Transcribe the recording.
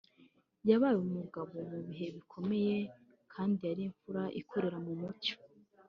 yabaye umugabo mu bihe bikomeye kandi yari imfura ikorera mu mucyo